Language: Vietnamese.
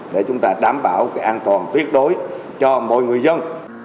để chúng ta đảm bảo an toàn tuyết đối cho mọi người dân